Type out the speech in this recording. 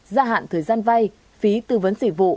gia hạn thời gian vai phí tư vấn sĩ vụ